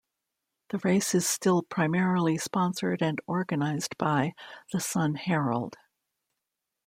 The race is still primarily sponsored and organised by "The Sun-Herald".